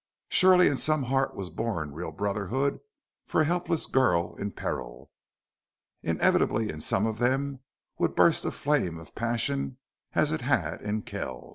Surely in some heart was born real brotherhood for a helpless girl in peril. Inevitably in some of them would burst a flame of passion as it had in Kells.